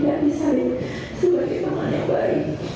dan disahir sebagai tuhan yang baik